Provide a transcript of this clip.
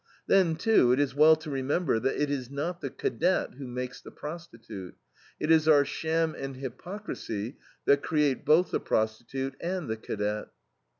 Then, too, it is well to remember that it is not the cadet who makes the prostitute. It is our sham and hypocrisy that create both the prostitute and the cadet.